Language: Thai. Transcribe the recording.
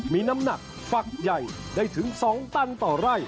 มีน้ำหนักฝักใหญ่ได้ถึง๒ตันต่อไร่